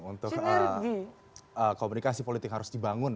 untuk komunikasi politik harus dibangun